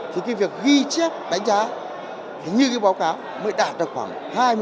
thì cái việc ghi chép đánh giá thì như cái báo cáo mới đạt được khoảng hai mươi